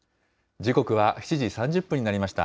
時刻は７時３０分になりました。